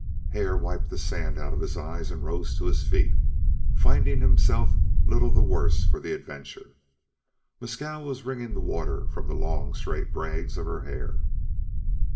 Hare wiped the sand out of his eyes and rose to his feet, finding himself little the worse for the adventure. Mescal was wringing the water from the long straight braids of her hair.